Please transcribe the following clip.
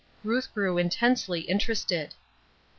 Ruth grew intensely interested.